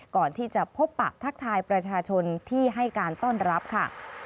ก่อนที่จะพบปะทักทายประชาชนที่ให้การต้อนรับค่ะ